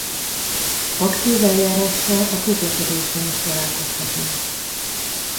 Aktív eljárással a közlekedésben is találkozhatunk.